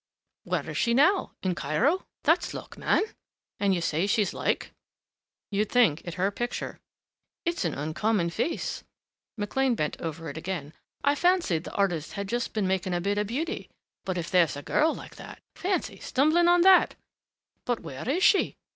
"Where is she, now? In Cairo? That's luck, man!... And you say she's like?" "You'd think it her picture." "It's an uncommon face." McLean bent over it again. "I fancied the artist had just been making a bit of beauty, but if there's a girl like that ! Fancy stumbling on that!... But where is she?